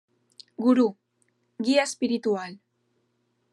Gurú: Guía Espiritual.